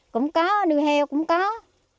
cũng có nuôi heo